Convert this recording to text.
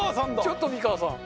ちょっと美川さん。